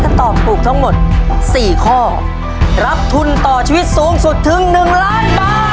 ถ้าตอบถูกทั้งหมดสี่ข้อรับทุนต่อชีวิตสูงสุดถึง๑ล้านบาท